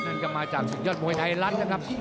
นั่นก็มาจากศึกยอดมวยไทยรัฐนะครับ